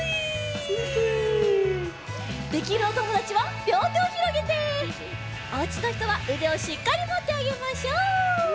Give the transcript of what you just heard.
できるおともだちはりょうてをひろげておうちのひとはうでをしっかりもってあげましょう。